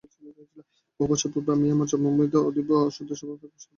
বহু বৎসর পূর্বে আমি আমার জন্মভূমিতে অতীব শুদ্ধস্বভাব এক সাধু মহাত্মাকে দর্শন করিতে গিয়াছিলাম।